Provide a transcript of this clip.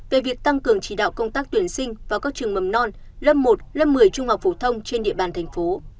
về việc tăng cường chỉ đạo công tác tuyển sinh vào các trường mầm non lớp một lớp một mươi trung học phổ thông trên địa bàn thành phố